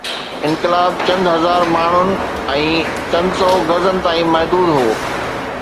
انقلاب چند هزار ماڻهن ۽ چند سو گز تائين محدود هو.